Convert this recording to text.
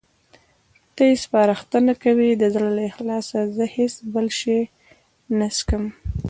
ته یې سپارښتنه کوې؟ د زړه له اخلاصه، زه هېڅ بل شی نه څښم.